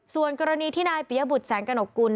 ส่วนกรณีที่นายเปียบุตรแสงกระหนกกุล